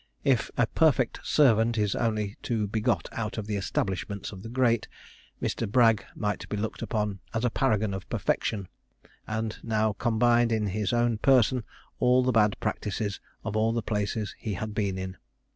If a 'perfect servant' is only to be got out of the establishments of the great, Mr. Bragg might be looked upon as a paragon of perfection, and now combined in his own person all the bad practices of all the places he had been in.